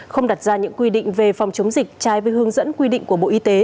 không đặt ra những quy định về phòng chống dịch trái với hướng dẫn quy định của bộ y tế